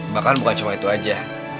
bahkan bukan cuma itu aja